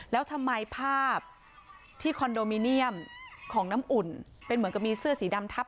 แล้วทำไมภาพที่คอนโดมิเนียมของน้ำอุ่นเป็นเหมือนกับมีเสื้อสีดำทับ